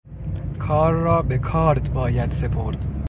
کار را به کارد باید سپرد.